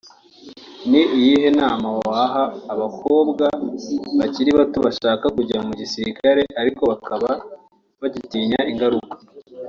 Ni iyihe nama waha abakobwa bakiri bato bashaka kujya mu gisirikare ariko bakaba bagitinya ingaruka